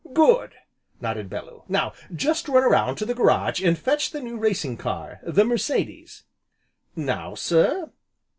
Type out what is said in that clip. "Good!" nodded Bellew. "Now just run around to the garage, and fetch the new racing car, the Mercedes." "Now, sir?"